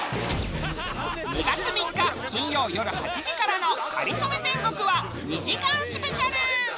２月３日金曜よる８時からの『かりそめ天国』は２時間スペシャル！